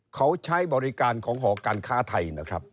เขาใช้บริการของหอการค้าไทยนะครับ